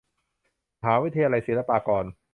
มหาวิทยาลัยศิลปากร